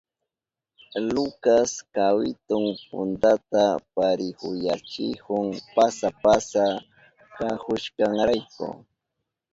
Lucas kawitun puntata parihuyachihun pasa pasa kahushkanrayku.